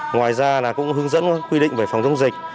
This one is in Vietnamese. ngoài ra là cũng hướng dẫn quy định về phòng chống dịch